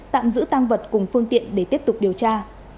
tạm giữ tăng vật cùng phương tiện để tiếp tục điều tra